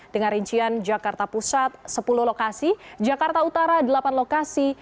dengan rincian jakarta pusat sepuluh lokasi jakarta utara delapan lokasi